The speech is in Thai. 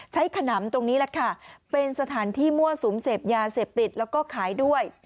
ใช้ขนำตรงนี้เป็นสถานที่มั่วสุมเสพยาเสพติด